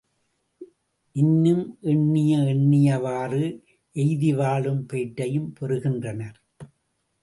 இன்னும் எண்ணிய எண்ணியவாறு எய்திவாழும் பேற்றையும் பெறுகின்றனர்.